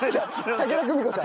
武田久美子さん。